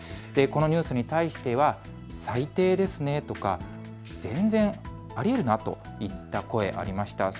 このニュースに対しては、最低ですねとか、全然ありえるなといった声がありました。